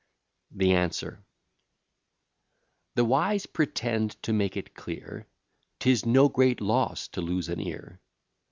THE ANSWER The wise pretend to make it clear, 'Tis no great loss to lose an ear.